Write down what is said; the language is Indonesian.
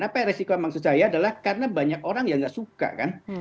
apa resiko maksud saya adalah karena banyak orang yang gak suka kan